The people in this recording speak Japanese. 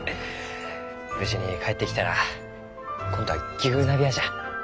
無事に帰ってきたら今度は牛鍋屋じゃ。